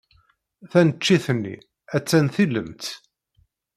Taneččit-nni attan tilemt.